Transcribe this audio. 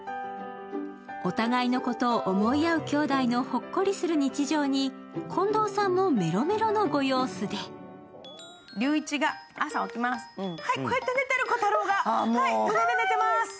お互いのことを思い合う兄弟のほっこりする日常に近藤さんもメロメロのご様子でこうやって寝てまーす。